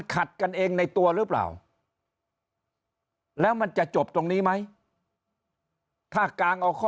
ขัดกันเองในตัวหรือเปล่าแล้วมันจะจบตรงนี้ไหมถ้ากางเอาข้อ